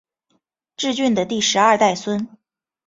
挚峻的第十二代孙。